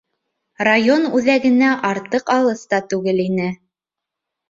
Район үҙәгенә артыҡ алыҫ та түгел ине.